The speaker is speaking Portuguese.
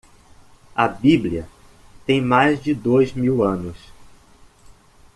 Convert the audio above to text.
A bíblia tem mais de dois mil anos.